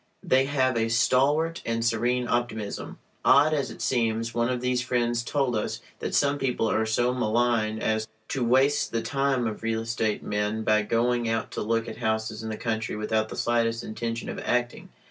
They have a stalwart and serene optimism. Odd as it seems, one of these friends told us that some people are so malign as to waste the time of real estate men by going out to look at houses in the country without the slightest intention of "acting."